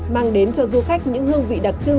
mang đến cho du khách những hương vị đặc trưng